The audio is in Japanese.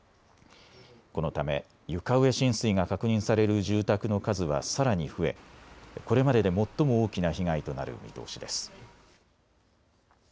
このため床上浸水が確認される住宅の数はさらに増えこれまでで最も大きな被害となる見通しです。